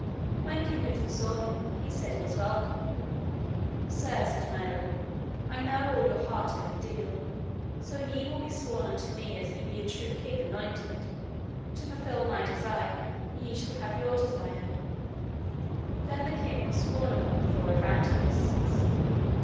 When King Uther saw him, he said he was welcome. Sir, said Merlin, I know all your heart every deal; so ye will be sworn unto me as ye be a true king anointed, to fulfil my desire, ye shall have your desire. Then the king was sworn upon the Four Evangelists.